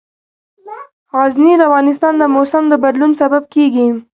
غزني د افغانستان د موسم د بدلون سبب کېږي.